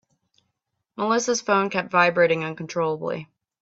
Melissa's phone kept vibrating uncontrollably.